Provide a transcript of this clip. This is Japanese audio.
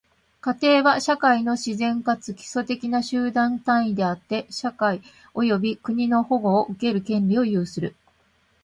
家庭は、社会の自然かつ基礎的な集団単位であって、社会及び国の保護を受ける権利を有する。